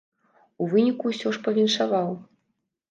У выніку ўсё ж павіншаваў.